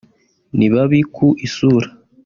ni babi ku isura